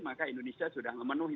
maka indonesia sudah memenuhi